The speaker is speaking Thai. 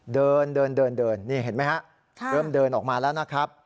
เดินเดินนี่เห็นไหมฮะเริ่มเดินออกมาแล้วนะครับ